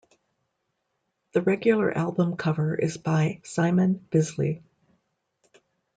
The regular album cover is by Simon Bisley.